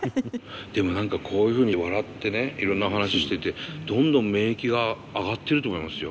でも何かこういうふうに笑ってねいろんな話しててどんどん免疫が上がっていると思いますよ。